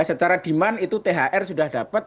secara demand itu thr sudah dapat